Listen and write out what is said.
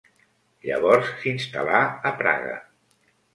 Llavors s'instal·là a Praga.